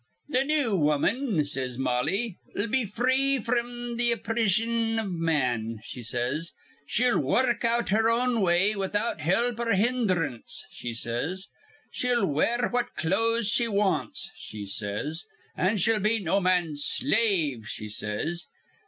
'Th' new woman,' says Mollie, ''ll be free fr'm th' opprision iv man,' she says. 'She'll wurruk out her own way, without help or hinderance,' she says. She'll wear what clothes she wants,' she says, 'an' she'll be no man's slave,' she says.